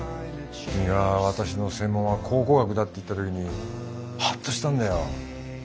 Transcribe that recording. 君が私の専門は考古学だって言った時にはっとしたんだよ。